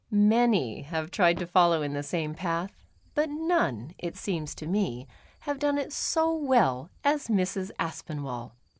Many have tried to follow in the same path : but none, it seems to me» have done it so well as Mrs. Aspinwall.